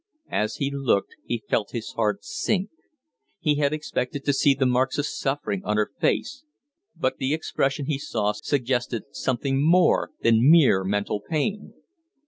As he looked he felt his heart sink. He had expected to see the marks of suffering on her face, but the expression he saw suggested something more than mere mental pain.